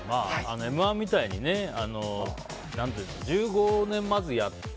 「Ｍ‐１」みたいに１５年まずやって